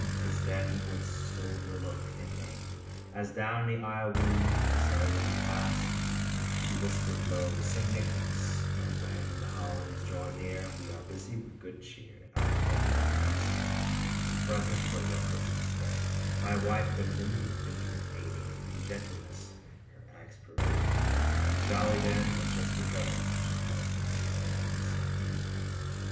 Tis then with sober look, and mein, As down the aisle we, solemn, pass, She whispers low, 'St. Nicholas.'" C ' S '^!' S > jn|B r*5v;'j ll 1 S I 1 1 1 1^*1 Copyrighted, 1897 lUT when the holidays draw near And we are busy with good cheer, And I am loading up my sleigh With presents for your Christmas Day, My wife with nimble fingers aiding, And gentleness her acts pervading, I'm jolly then, and just because She calls me 'dear old Santa Claus.